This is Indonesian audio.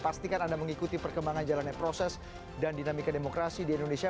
pastikan anda mengikuti perkembangan jalannya proses dan dinamika demokrasi di indonesia